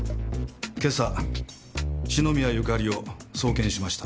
今朝篠宮ゆかりを送検しました。